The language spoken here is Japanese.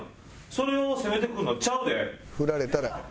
それを攻めてくるのはちゃうで。